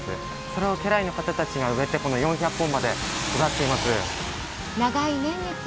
それを家来の方たちが植えて、４００本まで育ってきています。